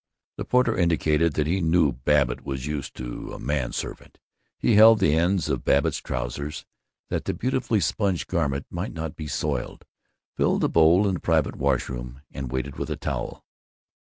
The porter indicated that he knew Babbitt was used to a man servant; he held the ends of Babbitt's trousers, that the beautifully sponged garment might not be soiled, filled the bowl in the private washroom, and waited with a towel.